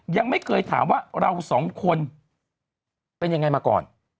ยังไม่เคยถามว่าเราสองคนเป็นยังไงมาก่อน